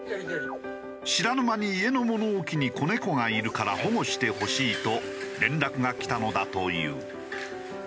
「知らぬ間に家の物置に子猫がいるから保護してほしい」と連絡がきたのだという。